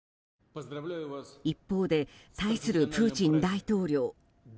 一方で対するプーチン大統領